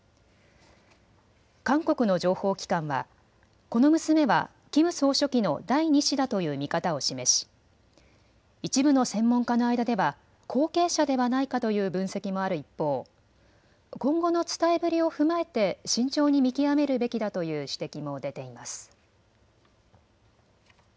韓国の情報機関は、この娘はキム総書記の第２子だという見方を示し一部の専門家の間では後継者ではないかという分析もある一方、今後の伝えぶりを踏まえて慎重に見極めるべきだという指摘も出ています。